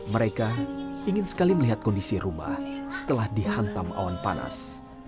mereka ingin sekali melihat kondisi rumah setelah dihantam awan panas